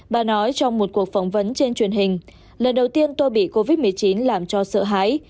bà nói trong một cuộc phỏng vấn trên truyền hình lần đầu tiên tôi bị covid một mươi chín làm cho sợ hãi